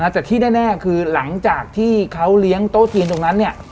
แต่ที่แน่คือหลังจากที่เขาเลี้ยงโต๊ะจีนตรงนั้น